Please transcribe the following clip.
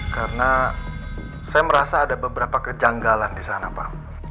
karena saya merasa ada beberapa kejanggalan di sana pak